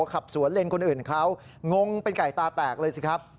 ขับสวนเลนคนอื่นเขางงเป็นไก่ตาแตกเลยสิครับ